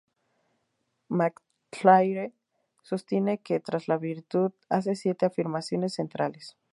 MacIntyre sostiene que "Tras la Virtud" hace siete afirmaciones centrales.